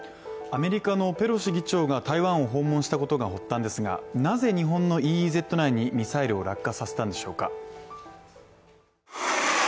アメリカのペロシ議長が台湾を訪問したことが発端ですがなぜ日本のＥＥＺ内にミサイルを落下させたんでしょうか。